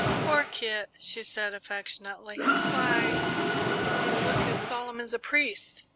"Poor Kit," she said affectionately, "why, you look as solemn as a priest!